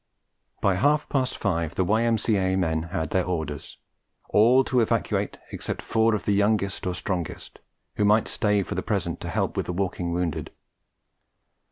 By half past five the Y.M.C.A. men had their orders: all to evacuate except four of the youngest or strongest, who might stay for the present to help with the walking wounded.